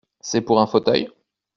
C’est pour un fauteuil ?